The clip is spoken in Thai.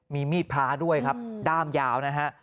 มีมีดพระด้วยครับด้ามยาวนะฮะ